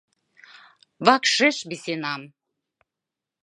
Вакшеш висенам.